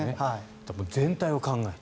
全体を考えて。